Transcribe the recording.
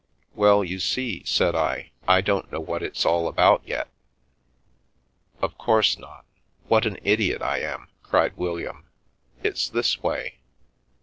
" Well, you see," said I, " I don't know what it's all about yet." "Of course not What an idiot I ami" cried Wil liam. " It's this way.